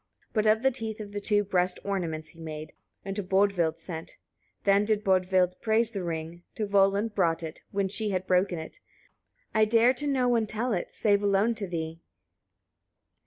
24. But of the teeth of the two breast ornaments he made, and to Bodvild sent. Then did Bodvild praise the ring: to Volund brought it, when she had broken it: "I dare to no tell it, save alone to thee."